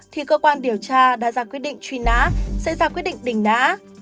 thì cơ quan điều tra đã ra quyết định trùy ná sẽ ra quyết định đình ná